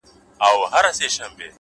د حقیقت منل ځواک دی؛